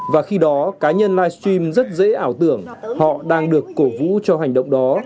và khi đó cá nhân livestream rất dễ ảo tưởng họ đang được cổ vũ cho hành động đó